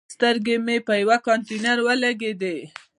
سترګې مې په یوه کانتینر ولګېدي.